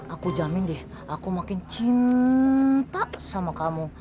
aku jamin deh aku makin cinta sama kamu